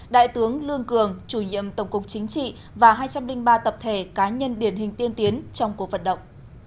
đại tướng lương cường chủ nhiệm tổng cục chính trị và hai trăm linh ba tập thể cá nhân điển hình tiên tiến trong cuộc vận động